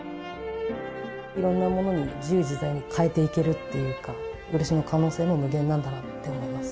いろんなものに自由自在に変えていけるっていうか漆の可能性も無限なんだなって思います